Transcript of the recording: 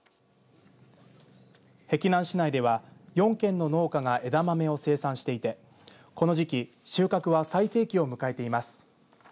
碧南市内では４軒の農家が枝豆を生産していてこの時期収穫は最盛期を迎えています。